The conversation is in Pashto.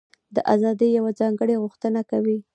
دا ازادي یوه ځانګړې غوښتنه کوي.